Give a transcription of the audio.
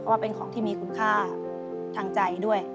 ว่าเป็นของที่มีคุณค่าทางใจด้วย